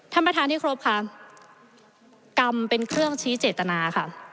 ท่านประธานที่ครบค่ะกรรมเป็นเครื่องชี้เจตนาค่ะ